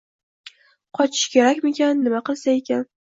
Qochish kerakmikan? Nima qilsa ekan?